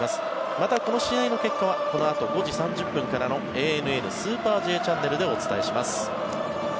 また、この試合の結果はこのあと５時３０分からの「ＡＮＮスーパーＪチャンネル」でお伝えします。